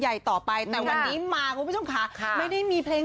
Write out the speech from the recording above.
ใยต่อไปแต่วันนี้มาก็ไม่ต้องคะค่ะไม่ได้มีเพลง